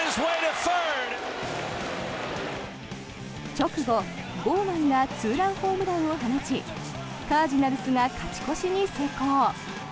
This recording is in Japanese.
直後、ゴーマンがツーランホームランを放ちカージナルスが勝ち越しに成功。